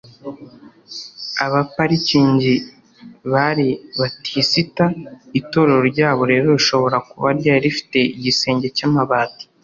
abaparikingi bari batisita, itorero ryabo rero rishobora kuba ryari rifite igisenge cyamabati